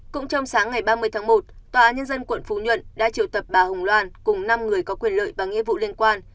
cũng trong sáng ngày ba mươi tháng một tòa án nhân dân quận phú nhuận đã triều tập bà hồng loan cùng năm người có quyền lợi và nghệ vụ liên quan